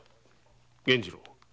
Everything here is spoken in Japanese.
源次郎。